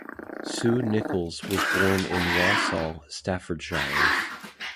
Sue Nicholls was born in Walsall, Staffordshire.